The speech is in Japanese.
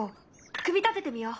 組み立ててみよう。